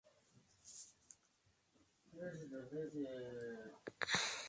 Especialistas en el tema lo consideran el mejor boxeador uruguayo de todos los tiempos.